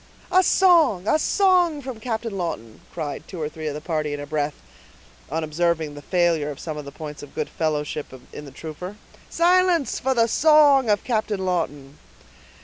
"A song, a song from Captain Lawton!" cried two or three of the party in a breath, on observing the failure of some of the points of good fellowship in the trooper. "Silence, for the song of Captain Lawton."